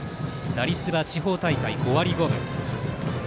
打率は地方大会５割５分。